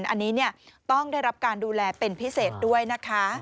อันนี้ต้องได้รับการดูแลเป็นพิเศษด้วยนะคะ